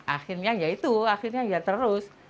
akhirnya ya itu akhirnya ya terus